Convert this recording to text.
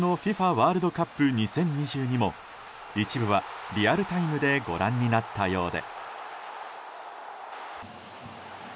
ワールドカップ２０２２も一部はリアルタイムでご覧になったようで。